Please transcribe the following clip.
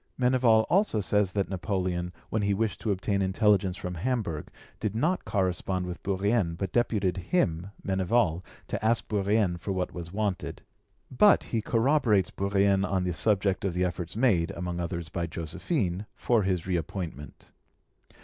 Meneval also says that Napoleon, when he wished to obtain intelligence from Hamburg, did not correspond with Bourrienne, but deputed him, Meneval, to ask Bourrienne for what was wanted. But he corroborates Bourrienne on the subject of the efforts made, among others by Josephine, for his reappointment.